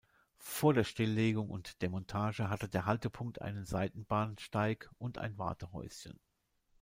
Vor der Stilllegung und Demontage hatte der Haltepunkt einen Seitenbahnsteig und ein Wartehäuschen.